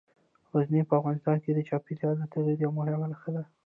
غزني په افغانستان کې د چاپېریال د تغیر یوه مهمه نښه ده.